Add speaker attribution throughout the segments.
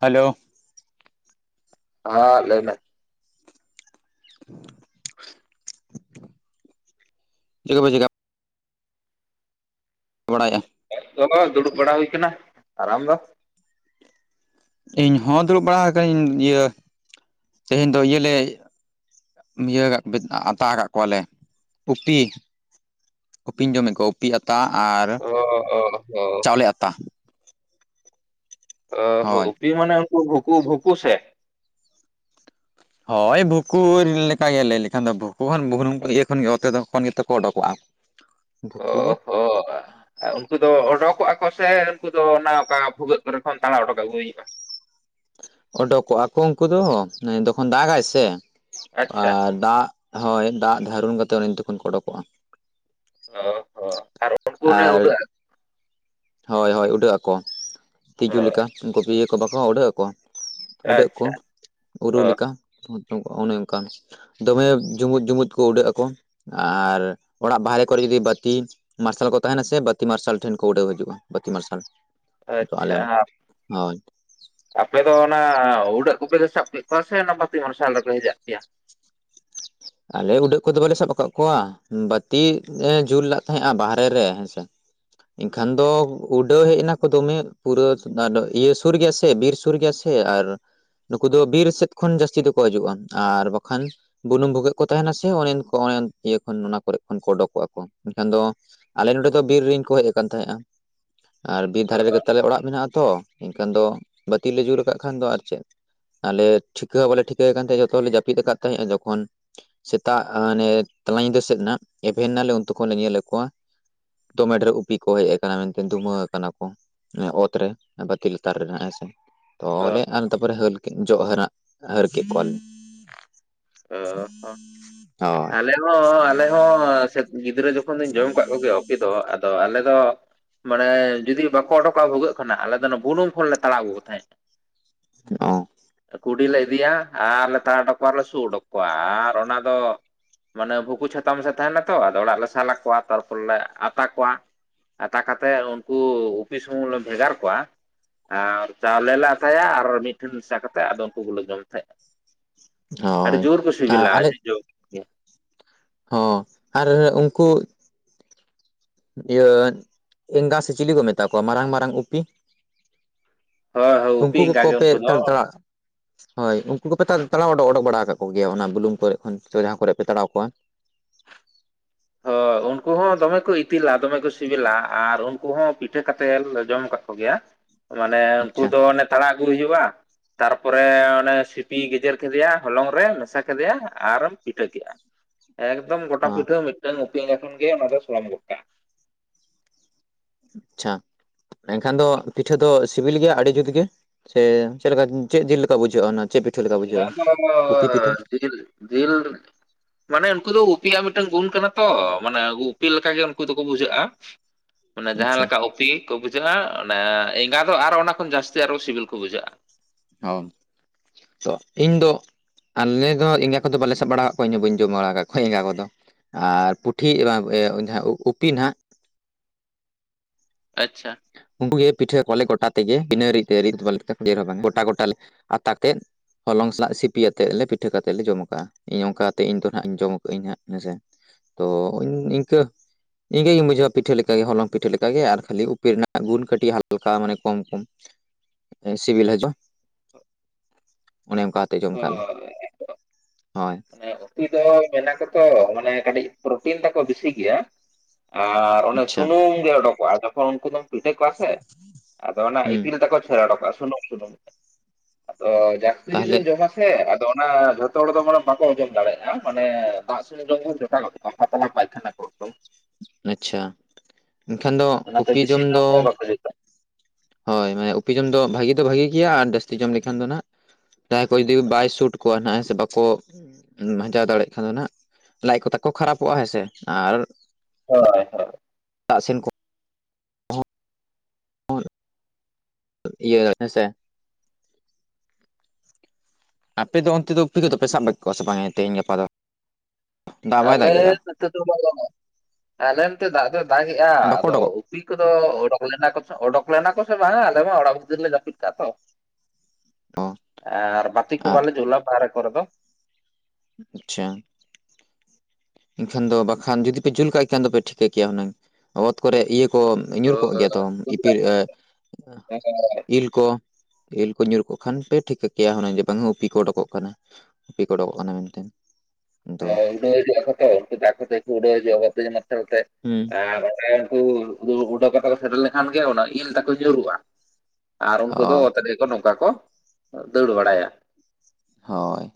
Speaker 1: Hello
Speaker 2: [unintelligible] ᱞᱟᱹᱭ ᱢᱮ?
Speaker 1: [unintelligible] [unintelligible] [unintelligible]
Speaker 2: [inaudible] ᱫᱩᱲᱩᱵ ᱵᱟᱲᱟ ᱦᱩᱭ ᱠᱟᱱᱟ ᱟᱨ ᱟᱢᱫᱚ?
Speaker 1: ᱤᱧ ᱦᱚᱸ ᱫᱩᱲᱩᱵ ᱵᱟᱲᱟ ᱟᱠᱟᱱᱟᱹᱧ ᱤᱭᱟᱹ ᱛᱮᱦᱮᱧ ᱫᱚ ᱤᱭᱟᱹᱞᱮ ᱼᱼ ᱤᱭᱟᱹ [unintelligible] ᱟᱛᱟ ᱟᱠᱟᱜ ᱠᱚᱣᱟᱞᱮ ᱩᱯᱤ ᱾ ᱩᱯᱤᱧ ᱡᱚᱢᱮᱫ ᱠᱚᱣᱟ ᱩᱯᱤ ᱟᱛᱟ ᱟᱨ ᱼᱼ
Speaker 2: [unintelligible]
Speaker 1: ᱪᱟᱣᱞᱮ ᱟᱛᱟ ᱾
Speaker 2: ᱚ ᱦᱳ
Speaker 1: ᱦᱳᱭ
Speaker 2: ᱩᱯᱤ ᱢᱟᱱᱮ ᱩᱱᱠᱩ ᱵᱷᱩᱠᱩ ᱵᱷᱩᱠᱩ ᱥᱮ?
Speaker 1: ᱦᱳᱭ ᱵᱷᱩᱠᱩ ᱞᱮᱠᱟᱜᱮ ᱞᱟᱹᱭ ᱞᱮᱠᱷᱟᱱ ᱫᱚ ᱵᱷᱩᱠᱩ ᱠᱷᱚᱱ [unintelligible] ᱜᱮᱛᱚᱠᱚ ᱚᱰᱩᱠᱚᱜᱼᱟ ᱾
Speaker 2: ᱚ
Speaker 1: ᱵᱷᱩᱠᱩ ᱜᱮᱼᱼ
Speaker 2: ᱦᱚ [unintelligible] ᱩᱱᱠᱩ ᱫᱚ ᱚᱰᱳᱠᱚᱜ-ᱟ ᱠᱚ ᱥᱮ ᱩᱱᱠᱩ ᱫᱚ ᱚᱱᱟ ᱚᱠᱟ ᱵᱷᱩᱜᱟᱹᱜ ᱠᱚᱨᱮ ᱠᱷᱚᱱ ᱛᱟᱲᱟ ᱚᱰᱚᱠ ᱟᱹᱜᱩᱭ ᱦᱩᱭᱩᱜᱼᱟ?
Speaker 1: ᱚᱰᱳᱠᱚᱜᱼᱟ ᱠᱚ ᱩᱱᱠᱩ ᱫᱚ ᱛᱚᱠᱷᱚᱱ ᱫᱟᱜᱟᱭ ᱥᱮ
Speaker 2: ᱟᱪᱪᱷᱟ
Speaker 1: ᱟᱨ ᱫᱟᱜ ᱼᱼ ᱦᱳᱭ ᱫᱟᱜ ᱫᱷᱟᱨᱩᱱ [unintelligible] ᱚᱰᱳᱠᱚᱜᱼᱟ
Speaker 2: ᱚ ᱦᱚ ᱟᱨ ᱩᱰᱟᱹᱜ ᱟ
Speaker 1: ᱟᱨ
Speaker 2: [unintelligible]
Speaker 1: ᱦᱳᱭ ᱦᱳᱭ ᱩᱰᱟᱹᱜ ᱟᱠᱚ ᱛᱤᱡᱩ ᱞᱮᱠᱟ ᱩᱱᱠᱩ ᱤᱭᱟᱹ ᱠᱚ ᱵᱟᱠᱚ ᱩᱰᱟᱹᱜ ᱟᱠᱚ ᱩᱰᱟᱹᱜ ᱠᱚ
Speaker 2: ᱟᱪᱪᱷᱟ
Speaker 1: ᱩᱨᱩ
Speaker 2: ᱚ
Speaker 1: ᱞᱮᱠᱟ ᱚᱱᱮ ᱚᱱᱠᱟᱱ ᱾ ᱫᱚᱢᱮ ᱡᱩᱜᱩᱫ ᱡᱩᱜᱩᱫ ᱠᱚ ᱩᱰᱟᱹᱜ ᱟᱠᱚ ᱾ ᱟᱨ ᱚᱲᱟᱜ ᱵᱟᱦᱨᱮ ᱠᱚᱨᱮ ᱡᱚᱫᱤ ᱵᱟᱛᱤ ᱢᱟᱨᱥᱟᱞ ᱠᱚ ᱛᱟᱦᱮᱱᱟ ᱥᱮ ᱵᱟᱛᱤ ᱢᱟᱨᱥᱟᱞ ᱴᱷᱮᱱ ᱠᱚ ᱩᱰᱟᱹᱣ ᱦᱟᱡᱩᱜ ᱾ ᱵᱟᱹᱛᱤ ᱢᱟᱨᱥᱟᱞ ᱾
Speaker 2: ᱟᱪᱪᱷᱟᱼᱼ ᱟᱯᱮ ᱫᱚ ᱚᱱᱟ ᱩᱰᱟᱹᱜ [unintelligible] ᱨᱮ ᱥᱟᱵ ᱠᱮᱫ ᱠᱚᱣᱟ ᱥᱮ ᱚᱱᱟ ᱵᱟᱹᱛᱤ ᱢᱟᱨᱥᱟᱞ ᱨᱮᱯᱮ ᱦᱮᱡᱟᱜ ᱯᱮᱭᱟ?
Speaker 1: ᱟᱞᱮ ᱩᱰᱟᱹᱜ ᱠᱚᱫᱚ ᱵᱟᱞᱮ ᱥᱟᱵ ᱟᱠᱟᱫ ᱠᱚᱣᱟ ᱵᱟᱛᱤ ᱡᱩᱞ ᱞᱮᱫ ᱛᱟᱦᱮᱸᱫᱼᱟ ᱵᱟᱦᱟᱨᱮ ᱨᱮ ᱦᱮᱸᱥᱮᱼᱼ ᱮᱱᱠᱷᱟᱱ ᱫᱚ ᱩᱰᱟᱹᱣ ᱦᱮᱡ ᱮᱱᱟ ᱠᱚ ᱫᱚᱢᱮ ᱯᱩᱨᱟᱹ ᱤᱭᱟᱹ ᱥᱩᱨ ᱜᱮᱭᱟ ᱥᱮ ᱵᱤᱨ ᱥᱩᱨ ᱜᱮᱭᱟ ᱥᱮ ᱾ ᱟᱨ ᱱᱩᱠᱩ ᱫᱚ ᱵᱤᱨ ᱥᱮᱫ ᱠᱷᱚᱱ ᱡᱟᱹᱥᱛᱤ ᱫᱚᱠᱚ ᱦᱤᱡᱩᱜᱼᱟ ᱟᱨ ᱵᱟᱠᱷᱟᱱ [unintelligible] ᱵᱷᱩᱜᱟᱹᱜ ᱼᱼ ᱠᱚ ᱛᱟᱦᱮᱱ ᱟ ᱥᱮ ᱚᱱᱮ ᱩᱱ ᱤᱭᱟᱹ ᱠᱷᱟᱱ ᱚᱱᱟ ᱠᱚᱨᱮ ᱠᱷᱚᱱ ᱠᱚ ᱚᱰᱩᱠᱚᱜᱼᱟ ᱠᱚ ᱮᱱᱠᱷᱟᱱ ᱫᱚ ᱟᱞᱮ ᱱᱚᱰᱮ ᱫᱚ ᱵᱤᱨ ᱨᱮᱧ ᱠᱚ ᱦᱮᱡ ᱟᱠᱟᱱ ᱛᱟᱦᱮᱸᱡ ᱟ ᱟᱨ ᱵᱤᱨ ᱫᱷᱟᱨᱮ ᱨᱮᱜᱮ ᱛᱟᱞᱮ ᱚᱲᱟᱜ ᱢᱮᱱᱟᱜᱼᱟ ᱛᱚ ᱮᱱᱠᱷᱟᱱ ᱫᱚ ᱵᱟᱛᱤ ᱞᱮ ᱡᱩᱨ ᱟᱠᱟᱫ ᱠᱷᱟᱱ ᱫᱚ ᱟᱨ ᱪᱮᱫ ᱟᱞᱮ ᱴᱷᱤᱠᱟᱹ ᱦᱚᱸ ᱵᱟᱞᱮ ᱴᱷᱤᱠᱟᱹᱣᱟᱠᱟᱱ ᱛᱟᱦᱮᱡ ᱡᱚᱛᱚ ᱦᱚᱲ ᱞᱮ ᱡᱟᱹᱯᱤᱫ ᱠᱟᱫ ᱛᱟᱦᱮᱫᱼᱟ ᱡᱚᱠᱷᱚᱱ ᱥᱮᱛᱟᱜ ᱦᱟᱱᱮ ᱛᱟᱞᱟ ᱧᱤᱫᱟᱹ ᱥᱮᱫ ᱱᱟᱦᱜ ᱮᱵᱷᱮᱱ ᱱᱟᱞᱮ ᱩᱱ ᱛᱩᱠᱷᱚᱱ ᱞᱮ ᱧᱮᱞ ᱮᱫ ᱠᱚᱣᱟ ᱫᱚᱢᱮ ᱰᱷᱮᱨ ᱩᱯᱤ ᱠᱚ ᱦᱮᱡ ᱠᱟᱱᱟ ᱢᱮᱱᱛᱮ ᱫᱷᱩᱢᱟᱹ ᱟᱠᱟᱱᱟ ᱠᱚ ᱚᱛ ᱨᱮ ᱵᱟᱛᱤ ᱞᱟᱛᱟᱨ ᱨᱮ ᱱᱟᱦᱜ ᱦᱮᱸ ᱥᱮ
Speaker 2: ᱚ
Speaker 1: ᱛᱚᱦᱞᱮ ᱟᱨ ᱛᱟᱯᱚᱨᱮ ᱦᱟᱹᱞ ᱠᱮᱜ ᱡᱚᱜ ᱦᱟ. ᱨᱼᱟᱜ ᱦᱟᱹᱨ ᱠᱮᱜ ᱠᱚᱣᱟ ᱞᱮ
Speaker 2: ᱚ
Speaker 1: ᱚ
Speaker 2: ᱟᱞᱮ ᱦᱚᱸ ᱟᱞᱮ ᱦᱚᱸ ᱜᱤᱫᱽᱨᱟᱹ ᱡᱚᱠᱷᱚᱱ ᱫᱚᱧ ᱡᱚᱢ ᱠᱟᱜ ᱠᱚ ᱜᱮᱭᱟ ᱚᱯᱤ ᱫᱚ ᱟᱫᱚ ᱟᱞᱮ ᱫᱚ ᱢᱟᱱᱮ ᱡᱩᱫᱤ ᱵᱟᱠᱚ ᱚᱰᱳᱚᱠᱚᱜᱼᱟ ᱵᱷᱩᱜᱟᱹᱜ ᱠᱷᱚᱱᱟᱜ ᱟᱞᱮ ᱫᱚ ᱚᱱᱟ ᱵᱩᱱᱩᱢ ᱠᱷᱚᱱᱞᱮ ᱛᱟᱲᱟᱣ ᱟᱜᱩ ᱠᱚ ᱛᱟᱦᱮᱸᱡ
Speaker 1: ᱚ
Speaker 2: ᱠᱩᱰᱤ ᱞᱮ ᱤᱫᱤᱭᱟ ᱟᱨ ᱞᱮ ᱛᱟᱲᱟᱶ ᱚᱰᱚᱠ ᱠᱚᱣᱟ ᱟᱨᱞᱮ ᱥᱩᱜ ᱚᱰᱚᱠ ᱠᱚᱣᱟ ᱟᱨ ᱚᱱᱟ ᱫᱚ ᱢᱟᱱᱮ ᱵᱷᱩᱠᱩ ᱪᱷᱟᱛᱟ ᱢᱮᱥᱟ ᱛᱟᱦᱮᱱᱟ ᱛᱚ ᱟᱫᱚ ᱚᱲᱟᱜ ᱨᱮᱞᱮ ᱥᱟᱞᱟ ᱠᱚᱣᱟ ᱛᱟᱨᱯᱚᱨ ᱞᱮ ᱟᱛᱟ ᱠᱚᱣᱟ ᱫᱟᱠᱟ ᱛᱮ ᱩᱱᱠᱩ ᱩᱯᱤ ᱥᱩᱢᱩᱝ ᱞᱮ ᱵᱷᱮᱜᱟᱨ ᱠᱚᱣᱟ ᱟᱨ ᱪᱟᱣᱞᱮ ᱞᱮ ᱟᱛᱟᱭᱟ ᱟᱨ ᱢᱤᱫ ᱴᱷᱮᱱ ᱢᱮᱥᱟ ᱠᱟᱛᱮᱫ ᱟᱫᱚ ᱩᱱᱠᱩ ᱠᱚᱞᱮ ᱡᱚᱢ ᱛᱟᱦᱮᱸᱫ ᱟᱹᱰᱤ
Speaker 1: ᱦᱳᱭ
Speaker 2: ᱡᱩᱨ ᱠᱩ ᱥᱤᱵᱤᱞ
Speaker 1: ᱟᱨ ᱟᱞᱮ
Speaker 2: ᱟᱹᱰᱤ ᱡᱩᱨ
Speaker 1: ᱦᱚᱸ ᱟᱨ ᱩᱱᱠᱩ ᱤᱭᱟᱹ ᱮᱸᱜᱟ ᱥᱮ ᱪᱤᱞᱤ ᱠᱚ ᱢᱮᱛᱟ ᱠᱚᱣᱟ ᱢᱟᱨᱟᱝ ᱢᱟᱨᱟᱝ ᱩᱯᱤ
Speaker 2: ᱦᱳᱭ ᱦᱳᱭ ᱩᱯᱤ
Speaker 1: ᱩᱱᱠᱩ
Speaker 2: ᱮᱸᱜᱟ
Speaker 1: ᱠᱚᱠᱚ
Speaker 2: ᱜᱮ
Speaker 1: ᱯᱮ
Speaker 2: ᱩᱱᱠᱩ ᱫᱚ
Speaker 1: ᱛᱟᱲᱟᱜ ᱦᱳᱭ ᱩᱱᱠᱩ ᱠᱚᱯᱮ ᱛᱟᱲᱟᱣ ᱚᱰᱚᱠ ᱚᱰᱚᱠ ᱵᱟᱲᱟ ᱠᱟᱜ ᱠᱚᱜᱭᱟ ᱚᱱᱟ ᱵᱩᱞᱩᱝ ᱠᱚᱨᱮᱜ ᱠᱷᱚᱱ ᱥᱮ ᱡᱟᱦᱟᱸ ᱠᱚᱨᱮᱜ ᱯᱮ ᱛᱟᱲᱟᱣ ᱠᱚᱣᱟ
Speaker 2: ᱦᱚ ᱩᱱᱠᱩ ᱩᱱᱠᱩ ᱦᱚᱸ ᱫᱚᱢᱮ ᱠᱚ ᱤᱛᱤᱞ ᱟ ᱫᱚᱢᱮ ᱠᱚ ᱥᱤᱵᱤᱞ ᱟ ᱟᱨ ᱩᱱᱠᱩ ᱦᱚᱸ ᱯᱤᱴᱷᱟᱹ ᱠᱟᱛᱮᱫ ᱞᱮ ᱡᱚᱢ ᱠᱟᱫ ᱠᱚ ᱜᱮᱭᱟ ᱢᱟᱱᱮ ᱩᱱᱠᱩ
Speaker 1: ᱟᱪᱪᱷᱟ
Speaker 2: ᱫᱚ ᱚᱱᱮ ᱛᱟᱲᱟᱜ ᱠᱩ ᱦᱤᱡᱩᱜᱼᱟ ᱛᱟᱨᱯᱚᱨᱮ ᱚᱱᱮ ᱥᱤᱯᱤ ᱜᱮᱡᱮᱨ ᱠᱮᱫᱮᱭᱟ ᱦᱚᱞᱚᱝ ᱨᱮ ᱢᱮᱥᱟ ᱠᱮᱫᱮᱭᱟ ᱟᱨ ᱮᱢ ᱯᱤᱴᱷᱟᱹ ᱠᱮᱜᱼᱟ ᱮᱠᱫᱚᱢ ᱜᱚᱴᱟ
Speaker 1: ᱦᱚᱸ
Speaker 2: ᱯᱤᱴᱷᱟᱹ ᱢᱤᱫᱴᱟᱝ ᱩᱯᱮᱧ ᱮᱠᱷᱚᱱ ᱜᱮ ᱚᱱᱟ ᱫᱚ ᱥᱚᱲᱟᱢ ᱜᱚᱫ ᱠᱟᱜᱼᱟ
Speaker 1: ᱟᱪᱪᱷᱟ ᱮᱱᱠᱷᱟᱱ ᱫᱚ ᱯᱤᱴᱷᱟᱹ ᱫᱚ ᱥᱤᱵᱤᱞ ᱜᱮᱭᱟ ᱟᱹᱰᱤ ᱡᱩᱛ ᱜᱮ ᱥᱮ ᱪᱮᱫ ᱞᱮᱠᱟ ᱪᱮᱫ ᱡᱤᱞ ᱞᱮᱠᱟ ᱵᱩᱡᱷᱟᱹᱜᱼᱟ ᱚᱱᱟ ᱪᱮᱫ ᱯᱤᱴᱷᱟᱹ ᱞᱮᱠᱟ ᱵᱩᱡᱷᱟᱹᱜᱼᱟ
Speaker 2: ᱚᱱᱟ ᱫᱚ
Speaker 1: ᱩᱯᱤ ᱯᱤᱴᱷᱟᱹ
Speaker 2: ᱡᱤᱞ ᱡᱤᱞ ᱢᱟᱱᱮ ᱩᱱᱠᱩ ᱫᱚ ᱩᱯᱤᱭᱟᱜ ᱢᱤᱫᱴᱟᱝ ᱜᱩᱱ ᱠᱟᱱᱟ ᱛᱚ ᱢᱟᱱᱮ ᱩᱯᱤ ᱞᱮᱠᱟ ᱜᱮ ᱩᱱᱠᱩ ᱫᱚᱠᱚ ᱵᱩᱡᱷᱟᱹᱜᱼᱟ [inaudible] ᱢᱟᱱᱮ ᱡᱟᱦᱟᱸ
Speaker 1: ᱟᱪᱪᱷᱟ
Speaker 2: ᱞᱮᱠᱟ ᱩᱯᱤ ᱠᱚ ᱵᱩᱡᱷᱟᱹᱜᱼᱟ ᱚᱸᱱᱮ ᱮᱸᱜᱟ ᱫᱚ ᱟᱨᱚ ᱚᱱᱟ ᱠᱷᱚᱱ ᱡᱟᱹᱥᱛᱤ ᱟᱨᱚ ᱥᱤᱵᱤᱞ ᱠᱚ ᱵᱩᱡᱷᱟᱹᱜᱼᱟ
Speaker 1: [unintelligible] ᱛᱚ ᱤᱧ ᱫᱚ ᱟᱞᱮ ᱫᱚ ᱮᱸᱜᱟ ᱠᱚᱫᱚ ᱵᱟᱞᱮ ᱥᱟᱵ ᱵᱟᱲᱟ ᱠᱟᱜ ᱠᱚᱣᱟ ᱤᱧ ᱦᱚᱸ ᱵᱟᱹᱧ ᱡᱚᱢ ᱵᱟᱲᱟ ᱟᱠᱟᱜ ᱠᱚᱣᱟ ᱮᱸᱜᱟ ᱠᱚᱫᱚ ᱟᱨ ᱯᱩᱴᱷᱤ ᱵᱟᱝ ᱡᱟᱸᱶᱟᱭ ᱩᱯᱤ ᱱᱟᱦᱟᱜ
Speaker 2: ᱟᱪᱪᱷᱟ
Speaker 1: ᱩᱱᱠᱩ ᱜᱮ ᱯᱤᱴᱷᱟᱹ ᱠᱚᱣᱟ ᱞᱮ ᱜᱚᱴᱟ ᱛᱮᱜᱮ ᱵᱤᱱᱟᱹ ᱨᱤᱫ ᱛᱮ ᱨᱤᱫ ᱵᱟᱞᱮ ᱵᱟᱝᱟ ᱜᱚᱴᱟ ᱜᱚᱴᱟ ᱞᱮ ᱟᱛᱟ ᱛᱮᱫ ᱦᱚᱞᱚᱝ ᱥᱟᱞᱟᱜ ᱥᱤᱯᱤ ᱭᱟᱛᱮᱜ ᱞᱮ ᱯᱤᱴᱷᱟᱹ ᱠᱟᱛᱮᱫ ᱞᱮ ᱡᱚᱢ ᱟᱠᱟᱜᱼᱟ ᱤᱧ ᱚᱝᱠᱟ ᱠᱟᱛᱮᱜ ᱤᱧ ᱫᱚ ᱱᱟᱦᱜ ᱤᱧ ᱡᱚᱢ ᱠᱟᱹᱜᱟᱹᱧ ᱦᱟᱸᱜ ᱦᱮᱸ ᱥᱮ ᱛᱚ ᱤᱱᱠᱟᱹ ᱤᱝᱠᱟᱹ ᱜᱮᱧ ᱵᱩᱡᱷᱟᱹᱣ ᱟ ᱯᱤᱴᱷᱟᱹ ᱞᱮᱠᱟ ᱜᱮ ᱦᱚᱞᱚᱝ ᱯᱤᱴᱷᱟᱹ ᱞᱮᱠᱟ ᱜᱮ ᱟᱨ ᱠᱷᱟᱹᱞᱤ ᱩᱯᱤ ᱨᱮᱱᱟᱜ ᱜᱩᱱ ᱠᱟᱹᱴᱤᱡ ᱦᱟᱞᱠᱟ ᱢᱟᱱᱮ ᱠᱚᱢ ᱠᱚᱢ ᱥᱤᱵᱤᱞ ᱦᱤᱡᱩᱜ ᱟ
Speaker 2: [inaudible]
Speaker 1: ᱚᱱᱮ ᱚᱱᱠᱟ ᱠᱟᱛᱮ ᱡᱚᱢ ᱠᱟᱜ ᱟᱞᱮ ᱦᱳᱭ
Speaker 2: ᱮᱸ ᱩᱯᱤ ᱫᱚ ᱢᱮᱱ ᱟᱠᱚ ᱛᱚ ᱢᱟᱱᱮ ᱠᱟᱹᱴᱤᱡ ᱯᱨᱚᱴᱤᱱ ᱛᱟᱠᱚ ᱵᱤᱥᱤ ᱜᱮᱭᱟ ᱟᱨ ᱚᱱᱮ
Speaker 1: ᱟᱪᱪᱷᱟ
Speaker 2: ᱥᱩᱱᱩᱢ ᱜᱮ ᱚᱰᱚᱠ ᱚᱜᱼᱟ ᱡᱚᱠᱷᱚᱱ ᱩᱱᱠᱩ ᱫᱚᱢ ᱯᱤᱴᱷᱟᱹ ᱠᱚᱣᱟ ᱥᱮ ᱟᱫᱚ ᱚᱱᱟ
Speaker 1: ᱦᱩᱸ
Speaker 2: ᱤᱛᱤᱞ ᱛᱟᱠᱚ ᱪᱷᱮᱨ ᱚᱰᱚᱠᱚᱜᱼᱟ ᱥᱩᱱᱩᱢ-ᱥᱩᱱᱩᱢ [unintelligible] ᱟᱫᱚ ᱡᱟᱹᱥᱛᱤ
Speaker 1: ᱛᱟᱦᱚᱞᱮ
Speaker 2: ᱡᱩᱫᱤᱢ ᱡᱚᱢᱟ [unintelligible] ᱦᱮᱸ ᱟᱫᱚ ᱚᱱᱟ ᱡᱷᱚᱛᱚ ᱦᱚᱲ ᱫᱚ ᱢᱟᱱᱮ ᱵᱟᱠᱚ ᱚᱡᱚᱢ ᱫᱟᱲᱮᱜᱼᱟ ᱢᱟᱱᱮ ᱫᱟᱜ ᱥᱩᱨ ᱨᱮᱜᱮ [inaudible]
Speaker 1: ᱟᱪᱪᱷᱟ, ᱮᱱᱠᱷᱟᱱ ᱫᱚ
Speaker 2: ᱚᱱᱟᱛᱮ
Speaker 1: ᱩᱯᱤ
Speaker 2: ᱵᱮᱥᱤ
Speaker 1: ᱡᱚᱢ ᱫᱚ
Speaker 2: ᱦᱚᱸ ᱵᱟᱠᱚ ᱡᱩᱛᱟ
Speaker 1: ᱦᱳᱭ ᱦᱮᱸ ᱩᱯᱤ ᱡᱚᱢ ᱫᱚ ᱵᱷᱟᱜᱤ ᱫᱚ ᱵᱷᱟᱜᱤ ᱜᱮᱭᱟ ᱟᱨ ᱡᱟᱹᱥᱛᱤ ᱡᱚᱢ ᱞᱮᱠᱷᱟᱱ ᱫᱚ ᱱᱟᱦᱱᱟᱜ ᱡᱟᱦᱟᱸᱭ ᱠᱚ ᱡᱩᱫᱤ ᱵᱟᱭ ᱥᱩᱴ ᱠᱚᱣᱟ ᱱᱟᱜᱼᱟᱭ ᱥᱮ ᱵᱟᱠᱚ ᱩᱢ ᱢᱟᱸᱡᱷᱟᱣ ᱫᱟᱲᱮᱭᱟᱜ ᱠᱷᱟᱱ ᱫᱚ ᱱᱟᱜ ᱞᱟᱡ ᱠᱚ ᱛᱟᱠᱚ ᱠᱷᱟᱨᱟᱯᱚᱜᱼᱟ ᱦᱮᱸᱥᱮ ᱟᱨ
Speaker 2: ᱦᱳᱭ [unintelligible]
Speaker 1: ᱟᱜ ᱥᱤᱱ ᱠᱚ [unintelligible] ᱤᱭᱟᱹ ᱦᱮ ᱥᱮ ᱟᱯᱮ ᱫᱚ ᱚᱱᱛᱮ ᱫᱚ ᱩᱯᱤ ᱠᱚᱫᱚ ᱯᱮ ᱥᱟᱵᱮᱫ ᱠᱚᱣᱟ ᱥᱮ ᱵᱟᱝᱟ ᱛᱮᱦᱮᱧ ᱜᱟᱯᱟ ᱫᱚ? ᱫᱟᱜ ᱵᱟᱭ
Speaker 2: ᱟᱞᱮ
Speaker 1: ᱫᱟᱜᱮᱜᱼᱟ
Speaker 2: ᱱᱤᱛᱳᱜ ᱫᱚ [unintelligible] ᱟᱞᱮ ᱱᱚᱛᱮ ᱫᱟᱜ ᱫᱚ ᱫᱟᱜ ᱮᱼᱟ
Speaker 1: ᱵᱟᱠᱚ
Speaker 2: ᱟᱫᱚ
Speaker 1: ᱚᱰᱚᱠᱚᱜ
Speaker 2: ᱯᱤ ᱠᱚᱫᱚ ᱚᱰᱚᱠ ᱞᱮᱱᱟ ᱠᱚ ᱥᱮ ᱚᱰᱚᱠ ᱞᱮᱱᱟ ᱠᱚ ᱥᱮ ᱵᱟᱝ ᱟᱞᱮ ᱢᱟ ᱚᱲᱟᱜ ᱵᱷᱤᱛᱤᱨ ᱨᱮᱞᱮ ᱡᱟᱹᱯᱤᱫ ᱠᱟᱜᱼᱟ ᱛᱚ᱾
Speaker 1: ᱠᱚ
Speaker 2: ᱟᱨ ᱵᱟᱹᱛᱤ ᱠᱚ ᱵᱟᱞᱮ ᱡᱩᱞᱟ ᱵᱟᱦᱮᱨᱮ ᱠᱚᱨᱮ ᱫᱚ᱾
Speaker 1: ᱩᱼᱩᱼᱪᱷᱟᱝ᱾ ᱮᱱᱠᱷᱟᱱ ᱫᱚ ᱵᱟᱠᱷᱟᱱ ᱡᱩᱫᱤ ᱯᱮ ᱡᱩᱞ ᱠᱟᱭ ᱠᱷᱟᱱ ᱫᱚ ᱯᱮ ᱴᱷᱤᱠᱟᱹ ᱠᱤᱭᱟᱹ ᱩᱱᱟᱹᱝ ᱚᱛ ᱠᱚᱨᱮ ᱤᱭᱟᱹ ᱠᱚ ᱧᱩᱨ ᱠᱚᱜ ᱜᱮᱭᱟ ᱛᱚ ᱤᱯᱤᱞ ᱮ [unintelligible] ᱤᱞ ᱠᱚ ᱤᱞ ᱠᱚ ᱧᱩᱨ ᱠᱚᱜ ᱠᱷᱟᱱ ᱯᱮ ᱴᱷᱤᱠᱟᱹ ᱠᱮᱭᱟ ᱦᱩᱱᱟᱹᱝ ᱡᱮ ᱵᱟᱝᱟ ᱩᱯᱤ ᱠᱚ ᱚᱰᱳᱠᱚᱜ ᱠᱟᱱᱟ᱾ ᱩᱯᱤ ᱠᱚ ᱚᱰᱚᱠᱚᱜ ᱠᱟᱱᱟ ᱢᱮᱱ ᱛᱮᱱ᱾
Speaker 2: ᱦᱮ ᱩᱰᱟᱹ ᱦᱮᱡᱳᱜ ᱟᱠᱚ ᱛᱮ ᱩᱱᱠᱩ ᱫᱚ ᱟᱠᱚ ᱛᱮ ᱠᱚ ᱩᱰᱟᱹᱣ ᱦᱤᱡᱩᱜᱼᱟ ᱵᱟᱛᱤ ᱢᱟᱨᱥᱟᱞ ᱛᱮ,
Speaker 1: ᱦᱩᱸ
Speaker 2: ᱟᱨ ᱮ ᱦᱳᱭ ᱫᱚ ᱩᱰᱟᱹ ᱠᱟᱛᱮ ᱠᱚ ᱥᱮᱴᱮᱨ ᱞᱮᱠᱷᱟᱱ ᱜᱮ ᱚᱱᱟ ᱤᱞ ᱛᱟᱠᱚ ᱧᱩᱨᱩᱜᱼᱟ᱾ ᱟᱨ ᱩᱱᱠᱩ ᱫᱚ
Speaker 1: ᱦᱳᱭ
Speaker 2: ᱚᱛ ᱨᱮᱜᱮ ᱠᱚ ᱱᱚᱝᱠᱟ ᱠᱚ ᱫᱟᱹᱲ ᱵᱟᱲᱟᱭᱟ᱾
Speaker 1: ᱦᱳᱭ᱾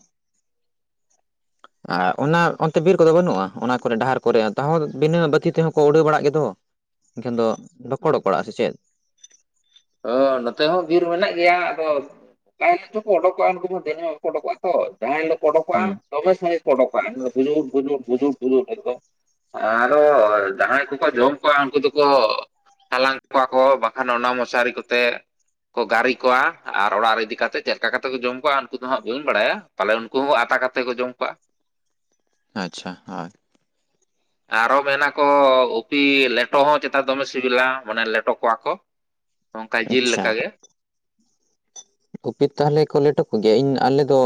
Speaker 1: ᱟ ᱚᱱᱟ ᱚᱱᱛᱮ ᱵᱤᱨ ᱠᱚᱫᱚ ᱵᱟᱱᱩᱜ-ᱟ ᱚᱱᱟ ᱠᱚᱨᱮ ᱰᱟᱦᱟᱨ ᱠᱚᱨᱮ ᱛᱟᱦᱚᱸ ᱵᱤᱱᱟᱹ ᱵᱟᱹᱛᱤ ᱛᱮᱦᱚᱸ ᱠᱚ ᱩᱰᱟᱹᱣ ᱵᱟᱲᱟᱜ ᱜᱮᱫᱚ ᱾ ᱤᱱᱠᱷᱟᱱ ᱫᱚ ᱵᱟᱠᱚ ᱚᱰᱳᱜ ᱵᱟᱲᱟᱜᱼᱟ ᱥᱮ ᱪᱮᱫ?
Speaker 2: ᱳ ᱱᱚᱛᱮ ᱦᱚᱸ ᱵᱤᱨ ᱢᱮᱱᱟᱜ ᱜᱮᱭᱟ ᱟᱫᱚ [unintelligible] ᱫᱚᱠᱚ ᱚᱰᱳᱠᱚᱜᱼᱟ ᱩᱱᱠᱩ ᱫᱚ ᱫᱤᱱᱟᱹᱢ ᱜᱮ ᱠᱚ ᱩᱰᱳᱠᱚᱜᱼᱟ ᱛᱚ ᱡᱟᱦᱟᱸᱭ ᱦᱤᱞᱳᱜ ᱠᱚ ᱚᱰᱳᱠᱚᱜᱼᱟ
Speaker 1: ᱦᱩᱸ
Speaker 2: [unintelligible] ᱥᱚᱢᱚᱭ ᱜᱮᱠᱚ ᱚᱰᱚᱠᱚᱜᱼᱟ [unintelligible] ᱟᱨᱚ ᱡᱟᱦᱟᱸᱭ ᱠᱚᱠᱚ ᱡᱚᱢ ᱠᱚᱣᱟ ᱩᱱᱠᱩ ᱫᱚᱠᱚ ᱦᱟᱞᱟᱝ ᱠᱚᱣᱟ ᱠᱚ ᱵᱟᱠᱷᱟᱱ ᱚᱱᱟ ᱢᱚᱥᱟᱨᱤ ᱠᱚᱛᱮ ᱠᱚ ᱜᱟᱨᱤ ᱠᱚᱣᱟ ᱟᱨ ᱚᱲᱟᱜ ᱨᱮ ᱤᱫᱤ ᱠᱟᱛᱮ ᱪᱮᱜᱠᱟ ᱠᱟᱛᱮ ᱠᱚ ᱡᱚᱢ ᱠᱚᱣᱟ ᱩᱱᱠᱩ ᱫᱚ ᱦᱟᱸᱜ ᱵᱟᱹᱧ ᱵᱟᱲᱟᱭᱟ᱾ ᱛᱟᱦᱚᱞᱮ ᱩᱱᱠᱩ ᱦᱚᱸ ᱟᱛᱟ ᱠᱟᱛᱮ ᱠᱚ ᱡᱚᱢ ᱠᱩᱣᱟ᱾
Speaker 1: ᱟᱸᱪᱪᱷᱟᱸ, ᱟᱸᱨ
Speaker 2: ᱟᱨᱚ ᱢᱮᱱᱟᱠᱚ ᱩᱯᱤ ᱞᱮᱴᱚ ᱦᱚᱸ ᱪᱮᱛᱟ ᱫᱚᱢᱮ ᱥᱤᱵᱤᱞᱟ ᱢᱟᱱᱮ ᱞᱮᱴᱚ ᱠᱚᱣᱟ ᱠᱚ᱾ ᱚᱝᱠᱟ ᱡᱤᱞ ᱞᱮᱠᱟᱜ ᱜᱮ
Speaker 1: ᱩᱯᱤ ᱛᱟᱦᱚᱞᱮ ᱠᱚ ᱞᱮᱴᱚ ᱠᱚ ᱜᱮᱭᱟ ᱤᱧ ᱟᱞᱮ ᱫᱚ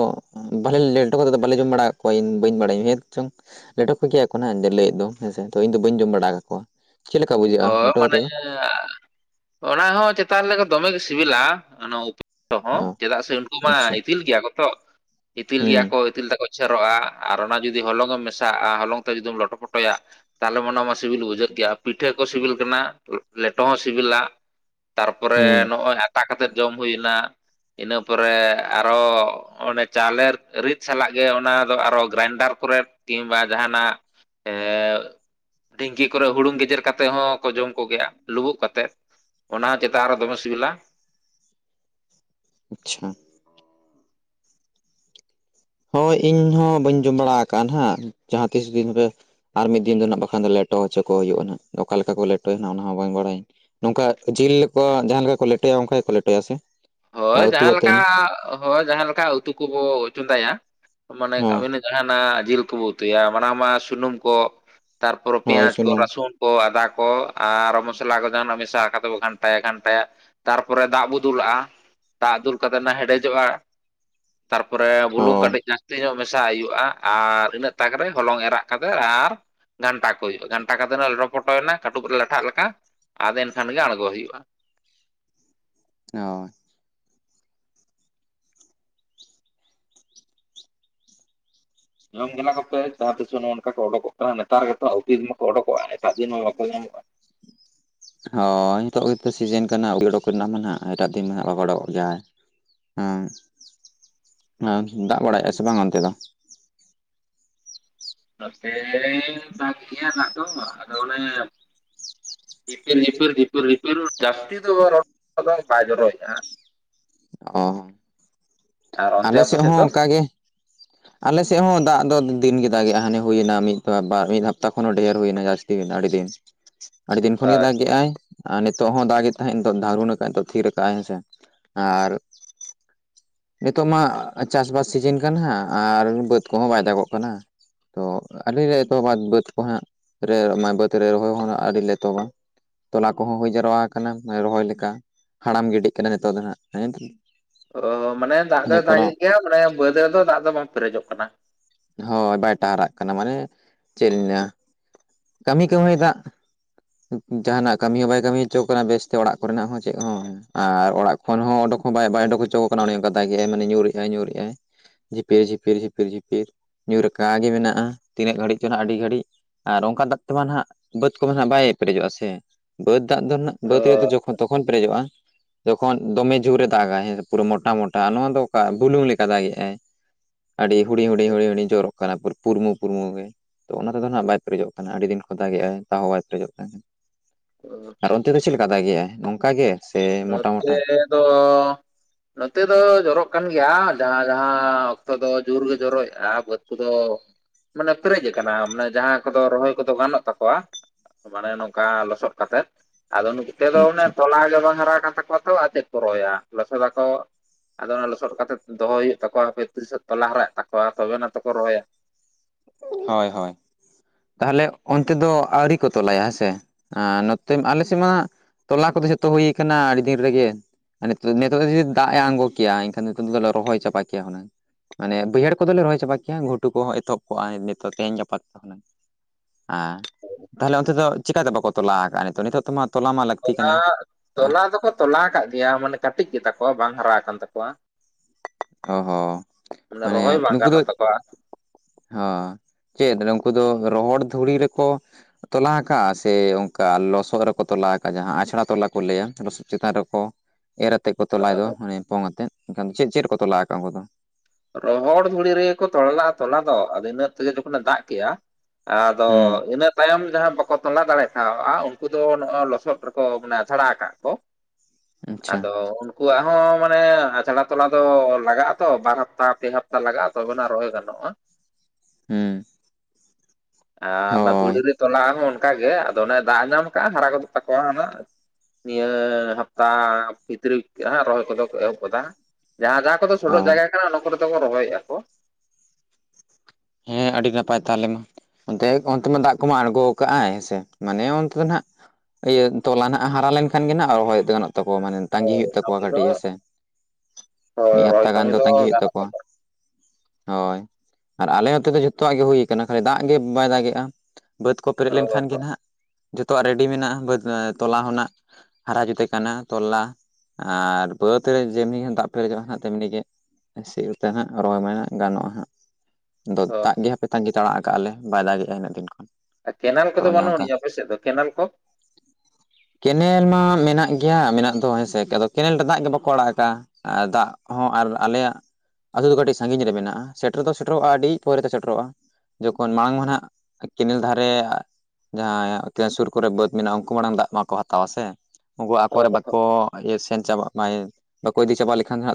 Speaker 1: ᱵᱟᱞᱮ ᱞᱮᱴᱚ ᱠᱟᱛᱮ ᱫᱚ ᱵᱟᱞᱮ ᱡᱚᱢ ᱵᱟᱲᱟ ᱠᱟᱜ ᱠᱚᱣᱟ ᱤᱧ ᱵᱟᱹᱧ ᱵᱟᱲᱟᱭᱟ ᱦᱮᱸ ᱪᱚᱝ ᱞᱮᱴᱚ ᱠᱚᱜᱮᱭᱟ ᱠᱚ ᱱᱟᱦᱟᱜ ᱡᱮ ᱞᱟᱹᱭᱮᱫ ᱫᱚᱢ ᱦᱮᱸᱥᱮ ᱛᱚ ᱤᱧ ᱫᱚ ᱵᱟᱹᱧ ᱡᱚᱢ ᱵᱟᱲᱟ ᱠᱟᱠᱚ ᱪᱮᱞᱮᱠᱟ ᱵᱩᱡᱷᱟᱹᱜᱼᱟ? ᱞᱮᱴᱚ ᱠᱟᱛᱮ ᱫᱚ᱾
Speaker 2: ᱦᱮᱸ ᱚᱱᱟ ᱦᱚᱸ ᱪᱮᱛᱟᱱ ᱞᱮᱠᱟ ᱫᱚᱢᱮ ᱜᱮ ᱥᱤᱵᱤᱞᱟ ᱚᱱᱟ ᱩᱯ ᱚ ᱦᱚᱸ ᱪᱮᱫᱟᱜ ᱥᱮ ᱩᱱᱠᱩ ᱢᱟ
Speaker 1: ᱟᱪᱪᱷᱟ
Speaker 2: ᱤᱛᱤᱞ ᱜᱮᱭᱟ ᱠᱚ ᱛᱚ ᱤᱛᱤᱞ
Speaker 1: ᱦᱩᱸ
Speaker 2: ᱜᱮᱭᱟ ᱠᱚ ᱤᱛᱤᱞ ᱛᱟᱠᱚ ᱪᱷᱮᱨᱚᱜᱼᱟ ᱟᱨ ᱚᱱᱟ ᱡᱩᱫᱤ ᱦᱚᱞᱚᱝ ᱮᱢ ᱢᱮᱥᱟᱜᱼᱟ ᱦᱚᱞᱚᱝ ᱛᱮ ᱡᱩᱫᱤᱢ ᱞᱚᱴᱚ ᱯᱚᱴᱚᱭᱟ᱾ ᱛᱟᱦᱞᱮ ᱢᱚᱱᱟ ᱢᱟ ᱥᱤᱵᱤᱞ ᱵᱩᱡᱟᱹᱜ ᱜᱮᱭᱟ [unintelligible] ᱯᱤᱴᱷᱟᱹ ᱠᱚ ᱥᱤᱵᱤᱞ ᱠᱟᱱᱟ ᱞᱮᱴᱚ ᱦᱚᱸ ᱥᱤᱵᱤᱞᱟ ᱛᱟᱨᱯᱚᱨᱮ
Speaker 1: ᱦᱩᱸ
Speaker 2: ᱱᱚᱜᱼᱚᱭ ᱛᱟ ᱠᱟᱛᱮᱫ ᱡᱚᱢ ᱦᱩᱭᱱᱟ᱾ ᱤᱱᱟᱹ ᱯᱚᱨᱮ ᱟᱨᱚ ᱚᱱᱮ ᱪᱟᱣᱞᱮᱨ ᱨᱤᱫ ᱥᱟᱞᱟᱜ ᱜᱮ ᱚᱱᱟ ᱫᱚ ᱟᱨᱚ ᱜᱨᱮᱱᱰᱟᱨ ᱠᱚᱨᱮ ᱠᱤᱢᱵᱟ ᱡᱟᱦᱟᱱᱟᱜ ᱮ ᱰᱷᱤᱝᱠᱤ ᱠᱚᱨᱮ ᱦᱩᱲᱩᱝ ᱜᱮᱡᱮᱨ ᱠᱟᱛᱮ ᱦᱚᱸᱠᱚ ᱡᱚᱢ ᱠᱚᱜᱮᱭᱟ ᱞᱩᱵᱩᱜ ᱠᱟᱛᱮᱫ, ᱚᱱᱟ ᱪᱮᱛᱟ ᱟᱨᱚ ᱫᱚᱢᱮ ᱥᱤᱵᱤᱞ-ᱟ?
Speaker 1: ᱟᱪᱪᱷᱟ᱾ ᱦᱳᱭ ᱤᱧ ᱦᱚ ᱵᱟᱹᱧ ᱡᱚᱢ ᱵᱟᱲᱟ ᱟᱠᱟᱜᱼᱟ ᱱᱟᱦᱟᱜ ᱡᱟᱦᱟᱸ ᱛᱤᱥ ᱫᱤᱱ ᱨᱮ ᱟᱨ ᱢᱤᱫ ᱫᱤᱱ ᱫᱚ ᱱᱟᱜ ᱵᱟᱠᱷᱟᱱ ᱫᱚ ᱞᱮᱴᱚ ᱦᱚᱪᱚ ᱠᱚ ᱦᱩᱭᱩᱜᱼᱟ ᱱᱟᱦᱟᱜ ᱚᱠᱟ ᱞᱮᱠᱟ ᱠᱚ ᱞᱮᱴᱚᱭᱟ ᱱᱟᱜ ᱚᱱᱟ ᱦᱚᱸ ᱵᱟᱝ ᱵᱟᱲᱟᱭᱤᱧ᱾ ᱱᱚᱝᱠᱟ ᱡᱤᱞ ᱠᱚ ᱡᱟᱦᱟᱸ ᱞᱮᱠᱟ ᱠᱚ ᱞᱮᱴᱚᱭᱟ ᱚᱱᱠᱟ ᱜᱮᱠᱚ ᱞᱮᱴᱚᱭᱟ ᱥᱮ?
Speaker 2: ᱦᱳᱭ
Speaker 1: ᱩᱛᱩ
Speaker 2: ᱡᱟᱦᱟᱸᱞᱮᱠᱟ
Speaker 1: ᱟᱛᱮᱱ
Speaker 2: ᱦᱳᱭ ᱡᱟᱦᱟᱸᱮᱠᱟ ᱩᱛᱩ ᱠᱚᱵᱚ ᱪᱚᱸᱫᱟᱭᱟ ᱢᱚᱱᱮ ᱠᱟᱜ
Speaker 1: ᱦᱚᱸ
Speaker 2: ᱵᱮᱱ ᱡᱟᱦᱟᱱᱟᱜ ᱡᱤᱞ ᱠᱚᱵᱚ ᱩᱛᱩᱭᱟ ᱢᱟᱲᱟᱝ ᱢᱟ ᱥᱩᱱᱩᱢ ᱠᱚ ᱛᱟᱨᱯᱚᱨᱮ
Speaker 1: ᱦᱳᱭ
Speaker 2: ᱯᱮᱸᱭᱟᱡᱽ ᱠᱚ
Speaker 1: ᱥᱩᱱᱩᱢ
Speaker 2: ᱨᱟᱹᱥᱩᱱ ᱠᱚ ᱟᱫᱟ ᱠᱚ ᱟᱨ ᱢᱚᱥᱞᱟ ᱠᱚ ᱡᱟᱦᱟᱱᱟᱜ ᱢᱮᱥᱟ ᱠᱟᱛᱮ ᱵᱚ ᱜᱷᱟᱱᱴᱟᱭᱟ ᱜᱷᱟᱱᱴᱟᱭᱟ ᱛᱟᱨᱯᱚᱨᱮ ᱫᱟᱜ ᱵᱚ ᱫᱩᱞᱟᱜᱼᱟ᱾ ᱫᱟᱜ ᱫᱩᱞ ᱠᱟᱛᱮ ᱟᱱᱟ ᱦᱮᱰᱮᱡᱚᱜᱼᱟ ᱛᱟᱨᱯᱚᱨᱮ ᱵᱩᱞᱩᱝ
Speaker 1: ᱦᱳᱭ
Speaker 2: ᱠᱟᱹᱴᱤᱡ ᱡᱟᱹᱥᱛᱤ ᱧᱚᱜ ᱢᱮᱥᱟ ᱦᱩᱭᱩᱜᱼᱟ ᱟᱨ ᱤᱱᱟᱹᱜ ᱛᱟᱠ ᱨᱮ ᱦᱚᱞᱚᱝ ᱮᱨᱟᱜ ᱠᱷᱟᱱ ᱫᱚ ᱟᱨ ᱜᱷᱟᱱᱴᱟ ᱠᱚ ᱦᱩᱭᱩᱜᱼᱟ ᱜᱷᱟᱱᱴᱟ ᱠᱟᱛᱮ ᱞᱚᱴᱚ ᱯᱚᱴᱚᱭᱮᱱᱟ ᱠᱟᱹᱴᱩᱵ ᱨᱮ ᱞᱟᱴᱷᱟᱜ ᱞᱮᱠᱟ ᱟᱫᱚ ᱮᱱᱠᱷᱟᱱ ᱜᱮ ᱟᱬᱜᱚ ᱦᱩᱭᱩᱜᱼᱟ᱾
Speaker 1: ᱦᱳᱭ᱾
Speaker 2: ᱡᱚᱢ ᱜᱮᱞᱟ ᱠᱚᱯᱮ ᱡᱟᱦᱟᱸ ᱛᱤᱥᱼᱚᱸᱜ ᱱᱚᱜᱼᱚᱜ ᱱᱚᱝᱠᱟ ᱠᱚ ᱩᱸᱰᱩᱠᱚᱜ ᱠᱟᱱᱟ ᱱᱮᱛᱟᱨ ᱜᱮᱛᱚ ᱚᱛᱤᱫ ᱢᱟᱠᱚ ᱚᱸᱰᱚᱠᱚᱜᱼᱟ ᱮᱴᱟᱜ ᱫᱤᱱ ᱢᱟᱸ ᱵᱟᱠᱚ ᱧᱟᱢᱚᱜᱼᱟ᱾
Speaker 1: ᱦᱳᱭ ᱱᱤᱛᱚᱜ ᱜᱮᱛᱚ ᱥᱤᱡᱮᱱ ᱠᱟᱱᱟ ᱩᱞᱤ ᱚᱰᱚᱠ ᱨᱮᱱᱟᱜ ᱢᱟ ᱱᱟᱦᱟᱜ ᱮᱴᱟᱜ ᱫᱤᱱ ᱢᱟ ᱦᱟᱸᱜ ᱵᱟᱠᱚ ᱩᱸᱰᱩᱠᱚᱜ ᱜᱮᱭᱟᱭ᱾ ᱦᱮᱸ ᱟᱸ ᱫᱟᱜ ᱵᱟᱲᱟᱭᱮᱫᱼᱟ ᱥᱮ ᱵᱟᱝ ᱚᱱᱛᱮ ᱫᱚ?
Speaker 2: ᱱᱚᱛᱮᱱ ᱫᱟᱜ ᱜᱮᱭᱟ ᱫᱟᱜ ᱫᱚ ᱟᱫᱚ ᱚᱱᱮ ᱡᱷᱤᱯᱤᱨ-ᱡᱷᱤᱯᱤᱨ ᱡᱷᱤᱯᱤᱨ-ᱡᱷᱤᱯᱤᱨ ᱡᱟᱹᱥᱛᱤ ᱫᱚ ᱵᱚᱨᱚᱝ ᱟᱫᱚᱭ ᱵᱟᱭ ᱡᱚᱨᱚᱭᱮᱫᱼᱟ ᱦᱟᱸᱜ᱾
Speaker 1: ᱚ
Speaker 2: ᱟᱨ ᱚᱱᱛᱮ ᱟᱯᱮ ᱥᱮᱫ ᱫᱚ?
Speaker 1: ᱟᱞᱮᱥᱮᱫ ᱦᱚᱸ ᱫᱟᱜ ᱫᱚ ᱫᱤᱱᱜᱮ ᱫᱟᱜᱼᱮᱜ ᱦᱟᱱᱮ ᱦᱩᱭ ᱮᱱᱟ ᱢᱤᱫ ᱵᱟᱨ ᱢᱤᱫ ᱦᱟᱯᱛᱟ ᱠᱷᱚᱱ ᱦᱚᱸ ᱰᱷᱮᱨ ᱦᱩᱭᱮᱱᱟ ᱡᱟᱹᱥᱛᱤ ᱦᱚᱭᱱᱟ ᱟᱹᱰᱤ ᱫᱤᱱ᱾ ᱟᱹᱰᱤ ᱫᱤᱱ ᱠᱷᱚᱱ ᱜᱮ ᱫᱟᱜᱼᱮᱜᱼᱟᱭ ᱟᱨ ᱱᱤᱛᱚᱜ ᱦᱚᱸ ᱫᱟᱜ ᱮ ᱛᱟᱦᱮᱸᱜ ᱱᱤᱛᱚᱜ ᱫᱷᱟᱨᱩᱱ ᱟᱠᱜᱼᱟᱭ ᱱᱤᱛᱚᱜ ᱛᱷᱤᱨ ᱟᱠᱟᱜᱼᱟᱭ ᱦᱮᱸ ᱥᱮ᱾ ᱟᱨ ᱱᱤᱛᱚᱜ ᱢᱟ ᱪᱟᱥᱵᱟᱥ ᱥᱤᱡᱤᱱ ᱠᱟᱱ ᱦᱟᱸᱜ ᱟᱨ ᱵᱟᱹᱫᱽ ᱠᱚᱦᱚᱸ ᱵᱟᱭ ᱫᱟᱜᱚᱜ ᱠᱟᱱᱟ᱾ ᱛᱚ ᱟᱹᱦᱨᱤ ᱞᱮ ᱮᱛᱚᱦᱚᱵᱟ ᱵᱟᱹᱫᱽ ᱠᱚᱦᱟᱸᱜ ᱨᱮ ᱢᱟᱱᱮ ᱵᱟᱹᱫᱽ ᱨᱮ ᱨᱚᱦᱚᱭ ᱦᱚᱸᱜᱼᱟ ᱟᱹᱭᱨᱤ ᱞᱮ ᱮᱛᱚᱦᱚᱵᱟ᱾ ᱛᱚᱞᱟ ᱠᱚᱦᱚᱸ ᱦᱩᱭ ᱡᱟᱨᱣᱟ ᱟᱠᱟᱱᱟ ᱢᱟᱱᱮ ᱨᱚᱦᱚᱭ ᱞᱮᱠᱟ ᱦᱟᱲᱟᱢ ᱜᱤᱰᱤᱜ ᱠᱟᱱᱟ ᱱᱤᱛᱚᱜ ᱫᱚ ᱦᱟᱸᱜ ᱦᱮᱸ᱾
Speaker 2: ᱚ ᱢᱟᱱᱮ ᱫᱟᱜ ᱫᱚ ᱫᱟᱜᱼᱮ ᱜᱮᱭᱟ ᱢᱟᱱᱮ ᱵᱟᱹᱫᱽ ᱨᱮᱫᱚ ᱫᱟᱜ ᱫᱚ ᱵᱟᱝ ᱯᱮᱨᱮᱡᱚᱜ ᱠᱟᱱᱟ᱾
Speaker 1: ᱦᱳᱭ ᱵᱟᱭ ᱴᱟᱦᱟᱨᱟᱜ ᱠᱟᱱᱟ ᱢᱟᱱᱮ ᱪᱮᱫ ᱤᱧ ᱞᱮᱭᱟ ᱠᱟᱹᱢᱤ ᱠᱟᱹᱢᱦᱟᱭ ᱫᱟᱜ᱾ ᱡᱟᱦᱱᱟᱜ ᱠᱟᱹᱢᱤ ᱦᱚᱸ ᱵᱟᱭ ᱠᱟᱹᱢᱤ ᱦᱚᱪᱚ ᱠᱟᱱᱟ ᱵᱮᱥᱛᱮ ᱚᱲᱟᱜ ᱠᱚᱨᱮᱱᱟᱜ ᱦᱚᱸ ᱪᱮᱫ ᱦᱚᱸ ᱟᱨ ᱚᱲᱟᱜ ᱠᱷᱚᱱ ᱦᱚᱸ ᱩᱸᱰᱚᱠ ᱦᱚᱸ ᱵᱟᱭ ᱚᱰᱚᱠ ᱦᱚᱪᱚ ᱠᱟᱱᱟ ᱚᱱᱮ ᱚᱱᱠᱟ ᱫᱟᱜ ᱮᱜᱟᱭ ᱢᱟᱱᱮ ᱧᱩᱨᱮᱫᱼᱟᱭ ᱧᱩᱨᱮᱫᱼᱟᱭ᱾ ᱡᱷᱤᱯᱤᱨ ᱡᱷᱤᱯᱤᱨ ᱡᱷᱤᱯᱤᱨ ᱡᱷᱤᱯᱤᱨ ᱧᱩᱨ ᱟᱠᱟ ᱜᱮ ᱢᱮᱱᱟᱜᱼᱟ ᱛᱤᱱᱟᱹᱜ ᱜᱷᱲᱤᱡ ᱪᱚᱱᱟᱜ ᱟᱹᱰᱤ ᱜᱷᱟᱹᱲᱤᱡ ᱟᱨ ᱚᱱᱠᱟ ᱫᱟᱜ ᱛᱮᱢᱟᱱ ᱦᱟᱸᱜ ᱵᱟᱹᱫᱽ ᱠᱚᱫᱚ ᱟᱸᱜ ᱵᱟᱭ ᱯᱮᱨᱮᱡᱚᱜᱼᱟ ᱥᱮ ᱵᱟᱹᱫᱽ ᱫᱟᱜ ᱫᱚ ᱦᱟᱸᱜ ᱵᱟᱹᱫᱽ ᱨᱮᱫᱚ ᱡᱚᱠᱷᱚᱱ ᱛᱚᱠᱷᱚᱱ ᱯᱮᱨᱮᱡᱚᱜᱼᱟ᱾ ᱡᱚᱠᱷᱚᱱ ᱫᱚᱢᱮ ᱡᱷᱚᱨᱮ ᱫᱟᱜᱼᱟᱭ ᱦᱮᱸ ᱥᱮ ᱯᱩᱨᱟᱹ ᱢᱚᱴᱟ ᱢᱚᱴᱟ ᱱᱚᱣᱟ ᱫᱚ ᱚᱠᱟ ᱵᱩᱞᱩᱝ ᱞᱮᱠᱟ ᱫᱟᱜᱮᱜᱼᱟᱭ᱾ ᱟᱹᱰᱤ ᱦᱩᱰᱤᱧ ᱦᱩᱰᱤᱧ ᱦᱩᱰᱤᱧ ᱦᱩᱰᱤᱧ ᱡᱚᱨᱚᱜ ᱠᱟᱱᱟ ᱾ ᱯᱩᱨᱢᱩ ᱯᱩᱨᱢᱩ ᱜᱮ᱾ ᱛᱚ ᱚᱱᱟ ᱛᱮᱫᱚ ᱱᱟᱜ ᱵᱟᱭ ᱯᱨᱮᱡᱚᱜ ᱠᱟᱱᱟ ᱟᱹᱰᱤ ᱫᱤᱱ ᱠᱷᱚᱱ ᱫᱟᱜᱮᱜᱼᱟᱭ ᱛᱟᱣ ᱦᱚᱸ ᱵᱟᱭ ᱯᱮᱨᱮᱡᱚᱜ ᱠᱟᱱᱟ᱾ ᱟᱨ ᱚᱱᱛᱮ ᱫᱚ ᱪᱮᱫ ᱞᱮᱠᱟ ᱫᱟᱜ ᱮᱜᱼᱟ ᱱᱚᱝᱠᱟ ᱜᱮ? ᱥᱮ ᱢᱚᱴᱟ
Speaker 2: ᱱᱚᱛᱮ
Speaker 1: ᱢᱚᱴᱟ
Speaker 2: ᱫᱚ ᱱᱚᱛᱮ ᱫᱚ ᱡᱚᱨᱚᱜ ᱠᱟᱱ ᱜᱮᱭᱟ ᱡᱟᱦᱟᱸ ᱡᱟᱦᱟᱸ ᱚᱠᱛᱚ ᱫᱚ ᱡᱳᱨᱜᱮ ᱡᱚᱨᱚᱭᱮᱫᱼᱟ ᱵᱟᱹᱫᱽ ᱠᱚᱫᱚ ᱢᱟᱱᱮ ᱯᱮᱨᱮᱡ ᱟᱠᱟᱱᱟ ᱢᱟᱱᱮ ᱡᱟᱦᱟᱸ ᱠᱚᱫᱚ ᱨᱚᱦᱚᱭ ᱠᱚᱫᱚ ᱜᱟᱱᱚᱜ ᱛᱟᱠᱚᱣᱟ᱾ ᱢᱟᱱᱮ ᱱᱚᱝᱠᱟ ᱞᱚᱥᱚᱫ ᱠᱟᱛᱮᱫ ᱟᱫᱚ ᱱᱚᱛᱮ ᱫᱚ ᱢᱟᱱᱮ
Speaker 1: ᱟᱪᱪᱷᱟ
Speaker 2: ᱛᱚᱞᱟ ᱜᱮ ᱵᱟᱝ ᱠᱟᱱ ᱛᱟᱠᱚᱣᱟ ᱛᱚ ᱟᱨ ᱪᱮᱫ ᱠᱚ ᱨᱚᱦᱚᱭᱟ ᱞᱚᱥᱚᱫ ᱟᱠᱚ᱾ ᱟᱫᱚ ᱚᱱᱟ ᱞᱚᱥᱚᱫ ᱠᱟᱛᱮᱫ ᱫᱚᱦᱚᱭ ᱦᱩᱭᱩᱜ ᱛᱟᱠᱚᱣᱟ ᱦᱟᱯᱮ ᱛᱤᱥᱚᱜ ᱛᱚᱞᱟ ᱦᱟᱨᱟᱜ ᱛᱟᱠᱚᱣᱟ ᱛᱚᱵᱮᱱᱟ ᱛᱟᱠᱚ ᱨᱚᱦᱚᱭᱟ᱾
Speaker 1: ᱦᱳᱭ ᱦᱳᱭ ᱛᱟᱦᱚᱞᱮ ᱚᱱᱛᱮ ᱫᱚ ᱟᱹᱣᱨᱤ ᱠᱚ ᱛᱚᱞᱟᱭᱟ ᱦᱮᱸᱥᱮ ᱟᱸ᱾ ᱱᱚᱛᱮ ᱟᱞᱮ ᱥᱮᱫ ᱢᱟ ᱛᱚᱞᱟ ᱠᱚᱫᱚ ᱡᱷᱚᱛᱚ ᱦᱩᱭ ᱠᱟᱱᱟ ᱟᱹᱰᱤ ᱫᱤᱱ ᱨᱮᱜᱮ᱾ ᱱᱤᱛᱚᱜ ᱫᱚ ᱡᱩᱫᱤ ᱫᱟᱜᱼᱮ ᱟᱬᱜᱚ ᱠᱮᱭᱟ ᱮᱱᱠᱷᱟᱱ ᱱᱤᱛᱚᱜ ᱫᱚᱞᱮ ᱨᱚᱦᱚᱭ ᱪᱟᱵᱟ ᱠᱮᱭᱟ᱾ ᱦᱩᱱᱟᱝ ᱢᱟᱱᱮ ᱵᱟᱹᱭᱦᱟᱹᱲ ᱠᱚᱫᱚᱞᱮ ᱨᱚᱦᱚᱭ ᱪᱟᱵᱟ ᱠᱮᱭᱟ ᱜᱷᱩᱴᱩ ᱠᱚᱦᱚ ᱮᱛᱚᱦᱚᱵ ᱠᱚᱜᱼᱟ ᱱᱤᱛᱚᱜ ᱛᱮᱦᱤᱧ ᱜᱟᱯᱟ ᱛᱮᱫᱚ ᱩᱱᱟᱹᱜ ᱦᱮᱸ ᱛᱟᱦᱚᱞᱮ ᱚᱱᱛᱮ ᱫᱚ ᱪᱮᱠᱟ ᱛᱮ ᱵᱟᱠᱚ ᱛᱚᱞᱟ ᱟᱠᱟᱜᱼᱟ ᱱᱤᱛ ᱱᱤᱛᱚᱜ ᱛᱮᱢᱟ ᱛᱚᱞᱟ ᱢᱟ ᱞᱟᱹᱠᱛᱤ
Speaker 2: ᱛᱚᱞᱟ
Speaker 1: ᱠᱟᱱᱟ
Speaker 2: ᱛᱚᱞᱟ ᱫᱚᱠᱚ ᱛᱚᱞᱟ ᱟᱠᱟᱫ ᱜᱮᱭᱟ ᱢᱟᱱᱮ ᱠᱟᱹᱴᱤᱡ ᱜᱮᱛᱟ ᱠᱚᱣᱟ ᱵᱟᱝ ᱦᱟᱨᱟ ᱟᱠᱟᱱ ᱛᱟᱠᱚᱣᱟ᱾
Speaker 1: ᱚ ᱦᱚᱸ
Speaker 2: ᱨᱚᱦᱚᱭ ᱵᱟᱝ ᱜᱟᱱᱚᱜ ᱛᱟᱠᱚᱣᱟ᱾
Speaker 1: ᱦᱮᱸ ᱪᱮᱫ ᱩᱱᱠᱩ ᱫᱚ ᱨᱚᱦᱚᱲ ᱫᱷᱩᱲᱤ ᱨᱮᱠᱚ ᱛᱚᱞᱟ ᱟᱠᱟᱜᱼᱟ ᱥᱮ ᱚᱱᱠᱟ ᱞᱚᱥᱚᱫ ᱨᱮᱠᱚ ᱛᱚᱞᱟ ᱟᱠᱟᱜᱼᱟ᱾ ᱡᱟᱦᱟᱸ ᱟᱪᱷᱲᱟ ᱛᱚᱞᱟ ᱠᱚ ᱞᱟᱹᱭᱟ ᱞᱚᱥᱚᱫ ᱪᱮᱛᱟᱱ ᱨᱮᱠᱚ ᱮᱨ ᱟᱛᱮᱡ ᱠᱚ ᱛᱚᱞᱟᱭ ᱫᱚ᱾ ᱢᱟᱱᱮ ᱥᱚᱝ ᱟᱛᱮᱫ ᱮᱱᱠᱷᱟᱱ ᱪᱮᱫ ᱪᱮᱫ ᱨᱮᱠᱚ ᱛᱚᱞᱟ ᱟᱠᱟᱫ ᱩᱱᱠᱩ ᱫᱚ?
Speaker 2: ᱨᱚᱦᱚᱲ ᱫᱷᱩᱲᱤ ᱨᱮᱜᱮ ᱠᱚ ᱛᱚᱞᱟ ᱞᱟᱜᱼᱟ ᱛᱚᱞᱟ ᱫᱚ ᱟᱫᱚ ᱤᱱᱟᱹᱜ ᱛᱮᱜᱮ ᱡᱚᱠᱷᱚᱱᱼᱮ ᱫᱟᱜ ᱠᱮᱜᱼᱟ᱾ ᱟᱫᱚ
Speaker 1: ᱦᱩᱸ
Speaker 2: ᱤᱱᱟᱹ ᱛᱟᱭᱚᱢ ᱡᱟᱦᱟᱸ ᱵᱟ ᱠᱚ ᱛᱚᱸᱞᱟ ᱫᱟᱲᱮ ᱠᱟᱜᱼᱟ ᱩᱱᱠᱩ ᱫᱚ ᱱᱚᱜᱼᱚᱭ ᱞᱚᱥᱚᱫ ᱨᱮᱠᱚ ᱢᱟᱱᱮ ᱪᱷᱟᱲᱟ ᱟᱠᱟᱫ ᱠᱟᱜᱼᱠᱚ᱾
Speaker 1: ᱟᱪᱪᱷᱟ
Speaker 2: ᱟᱫᱚ ᱩᱱᱠᱩᱣᱟᱜ ᱦᱚᱸ ᱢᱟᱱᱮ ᱟᱪᱷᱟᱲᱟ ᱛᱚᱞᱟ ᱫᱚ ᱞᱟᱜᱟᱜ ᱟᱛᱚ ᱵᱟᱨ ᱦᱟᱯ ᱛᱟ ᱯᱮ ᱦᱟᱯᱛᱟ ᱞᱟᱜᱟᱜᱼᱟ ᱛᱚᱵᱮ ᱱᱟᱜ ᱨᱚᱦᱚᱭ ᱜᱟᱱᱚᱜᱼᱟ
Speaker 1: ᱦᱩᱸ
Speaker 2: ᱟᱨ ᱚᱱᱟ
Speaker 1: ᱦᱳᱭ
Speaker 2: ᱫᱷᱩᱲᱤ ᱨᱮ ᱛᱚᱞᱟ ᱦᱟᱸᱜ ᱦᱚᱸ ᱚᱱᱠᱟ ᱜᱮ ᱟᱫᱚ ᱚᱱᱮ ᱫᱟᱜ ᱮ ᱧᱟᱢ ᱠᱟᱜᱼᱟ ᱦᱟᱨᱟ ᱜᱚᱫᱚᱜ ᱛᱟᱠᱚᱣᱟ ᱦᱟᱸᱜ ᱱᱤᱭᱟᱹ ᱦᱟᱯᱛᱟ ᱵᱷᱤᱛᱨᱤ ᱦᱟᱸᱜ ᱨᱚᱦᱚᱭ ᱠᱚ ᱫᱚ ᱠᱚ ᱮᱦᱚᱵ ᱜᱚᱫᱟ ᱡᱟᱦᱟᱸ ᱡᱟᱦᱟᱸ ᱠᱚ ᱫᱚ
Speaker 1: ᱦᱳ
Speaker 2: ᱥᱚᱰᱚᱜ ᱡᱟᱭᱜᱟ ᱠᱟᱱᱟ ᱚᱱᱟ ᱠᱚᱨᱮ ᱫᱚ ᱠᱚ ᱨᱚᱦᱚᱭ ᱮᱫᱼᱟ ᱠᱚ
Speaker 1: ᱦᱮᱸ ᱟᱹᱰᱤ ᱱᱟᱯᱟᱭ ᱛᱟᱦᱚᱞᱮ ᱢᱟ ᱚᱱᱛᱮ ᱚᱱᱛᱮ ᱢᱟ ᱫᱟᱜ ᱠᱚᱢᱟ ᱟᱬᱜᱚ ᱟᱠᱟᱜ ᱟᱭ ᱦᱮᱸᱥᱮ ᱢᱟᱱᱮ ᱚᱱᱛᱮ ᱫᱚ ᱱᱟᱜ ᱮᱫ ᱛᱚᱞᱟ ᱱᱟᱜ ᱦᱟᱨᱟ ᱞᱮᱱ ᱠᱷᱟᱱ ᱜᱮ ᱱᱟᱜ ᱨᱚᱦᱚᱭ ᱫᱚ ᱛᱟᱠᱚᱣᱟ ᱢᱟᱱᱮ ᱛᱟᱺᱜᱤ
Speaker 2: ᱦᱳᱭ
Speaker 1: ᱦᱳᱭᱳᱜ ᱛᱟᱠᱚᱣᱟ
Speaker 2: ᱠᱟᱹᱢᱤ ᱫᱚ
Speaker 1: ᱠᱟᱹᱴᱤᱡ ᱦᱮᱸᱥᱮ
Speaker 2: ᱦᱳᱭ
Speaker 1: ᱢᱤᱫ ᱦᱟᱯᱛᱟ
Speaker 2: ᱨᱚᱦᱚᱭ
Speaker 1: ᱜᱟᱱ
Speaker 2: ᱠᱟᱹᱢᱤ
Speaker 1: ᱫᱚ ᱛᱟᱸᱜᱤ ᱦᱳᱭᱳᱜ
Speaker 2: ᱜᱟᱱᱚᱜ
Speaker 1: ᱛᱟᱠᱚᱣᱟ ᱦᱳᱭ ᱟᱨ ᱟᱞᱮ ᱱᱚᱛᱮ ᱫᱚ ᱡᱷᱚᱛᱚᱣᱟᱜ ᱜᱮ ᱦᱩᱭ ᱠᱟᱱᱟ ᱠᱷᱟᱹᱞᱤ ᱫᱟᱜ ᱜᱮ ᱵᱟᱭ ᱫᱟᱜᱮᱜᱼᱟ ᱵᱟᱹᱫᱽ ᱠᱚ ᱯᱮᱨᱮᱡ
Speaker 2: ᱚ
Speaker 1: ᱞᱮᱱ ᱠᱷᱟᱱ
Speaker 2: ᱦᱚ
Speaker 1: ᱜᱮ ᱱᱟᱦᱟᱜ ᱡᱚᱛᱚᱣᱟᱜ ᱨᱮᱰᱤ ᱢᱮᱱᱟᱜᱼᱟ ᱵᱟᱹᱫᱽ ᱛᱚᱞᱟ ᱦᱚᱸ ᱱᱟᱜ ᱦᱟᱨᱟ ᱡᱩᱛᱮ ᱠᱟᱱᱟ ᱛᱚᱞᱞᱟ ᱟᱨ ᱵᱟᱹᱫᱽ ᱨᱮ ᱡᱮᱢᱱᱤ ᱦᱟᱸᱜ ᱫᱟᱜ ᱯᱮᱨᱮᱡᱚᱜᱼᱟ ᱛᱮᱢᱱᱤ ᱜᱮ ᱥᱤ ᱛᱮ ᱦᱟᱸᱜ ᱨᱚᱦᱚᱭ ᱢᱮ ᱦᱟᱸᱜ ᱜᱟᱱᱚᱜᱼᱟ ᱦᱟᱸᱜ ᱵᱟᱹᱫᱽ ᱫᱟᱜ ᱜᱮ ᱦᱟᱯᱮ ᱛᱟᱸᱜᱤ ᱛᱟᱲᱟ ᱟᱠᱟᱜ-ᱟ ᱞᱮ ᱵᱟᱭ ᱫᱟᱜᱮᱜ ᱼᱟ ᱤᱱᱟᱹ ᱫᱤᱱ ᱠᱷᱚᱱ
Speaker 2: ᱟ ᱠᱮᱱᱮᱞ ᱠᱚ
Speaker 1: ᱛᱚ
Speaker 2: ᱫᱚ
Speaker 1: ᱚᱱᱮ
Speaker 2: ᱵᱟᱹᱱᱩᱜ
Speaker 1: ᱚᱱᱠᱟ
Speaker 2: ᱟᱱᱤᱡ ᱟ ᱟᱯᱮ ᱥᱮᱫ ᱫᱚ ᱠᱮᱱᱮᱞ ᱠᱚ
Speaker 1: ᱠᱮᱱᱮᱞ ᱢᱟ ᱢᱮᱱᱟᱜ ᱜᱮᱭᱟ ᱢᱮᱱᱟᱜ ᱫᱚ ᱦᱮᱸᱥᱮ ᱟᱫᱚ ᱠᱮᱱᱮᱞ ᱨᱮ ᱫᱟᱜ ᱜᱮ ᱵᱟᱠᱚ ᱟᱲᱟᱜ ᱮᱫᱟ ᱟᱨ ᱫᱟᱜ ᱦᱚᱸ ᱟᱨ ᱟᱞᱮᱭᱟᱜ ᱟᱛᱳ ᱫᱚ ᱠᱟᱹᱴᱤᱡ ᱥᱟᱺᱜᱤᱧ ᱨᱮ ᱢᱮᱱᱟᱜᱼᱟ ᱥᱮᱴᱮᱨ ᱫᱚ ᱥᱮᱴᱮᱨᱚᱜᱼᱟ [unintelligible] ᱯᱚᱨᱮ ᱛᱮ ᱥᱮᱴᱮᱨᱚᱜᱼᱟ ᱡᱚᱠᱷᱚᱱ ᱢᱟᱲᱟᱝ ᱫᱚ ᱱᱟᱜ ᱠᱮᱱᱮᱞ ᱫᱷᱟᱨᱮ ᱟᱜ ᱡᱟᱦᱟᱸ ᱭᱟᱜ ᱠᱮ ᱥᱩᱨ ᱠᱚᱨᱮ ᱵᱟᱹᱫᱽ ᱢᱮᱱᱟᱜᱼᱟ ᱩᱱᱠᱩ ᱢᱟᱲᱟᱝ ᱫᱟᱜ ᱢᱟᱠᱚ ᱦᱟᱛᱟᱣᱟ ᱥᱮ ᱩᱱᱠᱩ
Speaker 2: ᱚ
Speaker 1: ᱟᱠᱚ ᱨᱮ ᱵᱟᱠᱚ ᱤᱭᱟᱹ ᱥᱮᱱ ᱪᱟᱵᱟᱜ ᱢᱟᱭᱮ ᱵᱟᱠᱚ ᱤᱫᱤ ᱪᱟᱵᱟ ᱞᱮᱠᱷᱟᱱ ᱦᱟᱸᱜ